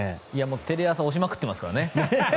テレ朝推しまくってますからね。